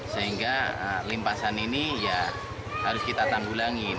sehingga limpasan ini ya harus kita tanggulangin